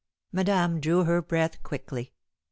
Madame drew her breath quickly.